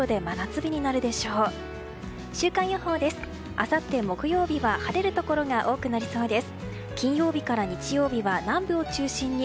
あさって木曜日は晴れるところが多くなりそうです。